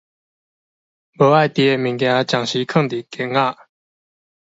無愛挃的物件暫時囥佇間仔